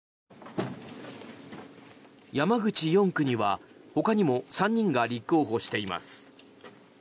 山口４区には、ほかにも３人が立候補しています。